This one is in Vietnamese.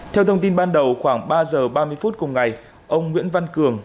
theo thông tin ban đầu khoảng ba giờ ba mươi phút cùng ngày ông nguyễn văn cường